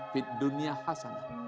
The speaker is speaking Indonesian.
fit dunia hasanah